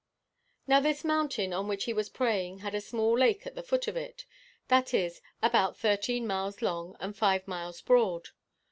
"Now this mountain on which he was praying had a small lake at the foot of it that is, about thirteen miles long, and five miles broad.